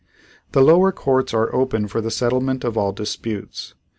The lower courts are open for the settlement of all disputes.